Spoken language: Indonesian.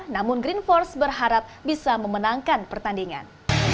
namun green force berharap bisa memenangkan pertandingan